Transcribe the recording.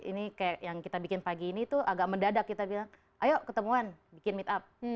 ini kayak yang kita bikin pagi ini tuh agak mendadak kita bilang ayo ketemuan bikin meet up